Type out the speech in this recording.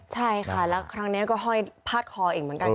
ใช่ค่ะแล้วครั้งนี้ก็ห้อยพาดคออีกเหมือนกัน